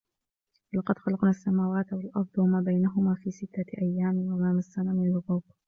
وَلَقَد خَلَقنَا السَّماواتِ وَالأَرضَ وَما بَينَهُما في سِتَّةِ أَيّامٍ وَما مَسَّنا مِن لُغوبٍ